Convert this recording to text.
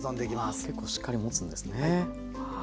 あっ結構しっかりもつんですね。